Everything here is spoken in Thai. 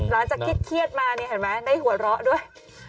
หลังจากเครียดมานี่เห็นไหมได้หัวเราะด้วย